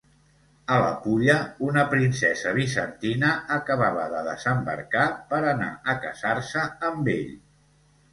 A la Pulla, una princesa bizantina acabava de desembarcar per anar a casar-se amb ell.